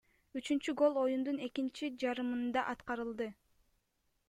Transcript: Үчүнчү гол оюндун экинчи жарымында аткарылды.